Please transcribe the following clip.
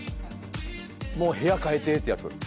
もう部屋変えてってやつ。